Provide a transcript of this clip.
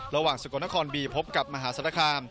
ระหว่างสกลนครบีพบกับมหาสรรคาม